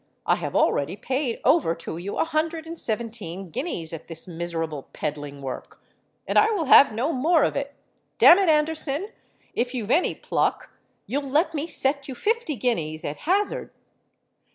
I have already paid over to you a hundred and seventeen guineas at this miserable peddling work; and I will have no more of it. Damn it, Anderson, if you've any pluck you'll let me set you fifty guineas at hazard?'